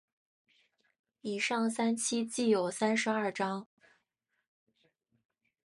以上三期计有三十二章。